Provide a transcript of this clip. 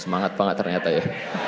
semangat banget ternyata ya